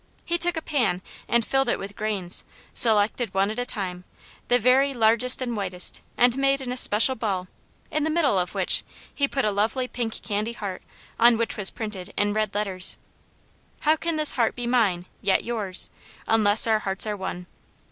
He took a pan and filled it with grains, selected one at a time, the very largest and whitest, and made an especial ball, in the middle of which he put a lovely pink candy heart on which was printed in red letters: "How can this heart be mine, yet yours, unless our hearts are one?"